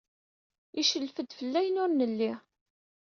Icellef-d fell-i ayen ur nelli.